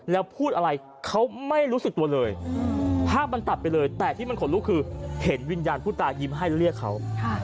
แล้วพูดอะไรเขาไม่รู้สึกตัวเลยภาพมันตัดไปเลยแต่ที่มันขนลุกคือเห็นวิญญาณผู้ตายยิ้มให้เรียกเขา